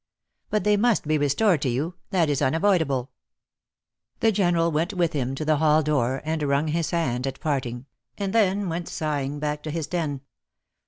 "But they must be restored to you. That is unavoidable." The General went with him to the hall door, and wrung his hand at parting, and then went sigh ing back to his den.